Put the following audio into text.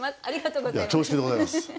ありがとうございます。